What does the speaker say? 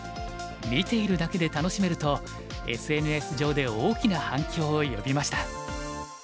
「見ているだけで楽しめる」とＳＮＳ上で大きな反響を呼びました。